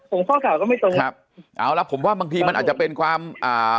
ผมข้อข่าวก็ไม่ตรงครับเอาละผมว่าบางทีมันอาจจะเป็นความอ่า